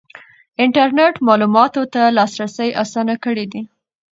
انټرنیټ معلوماتو ته لاسرسی اسانه کړی دی.